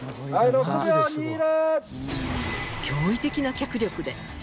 ６秒００。